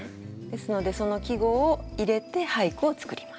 ですのでその季語を入れて俳句をつくります。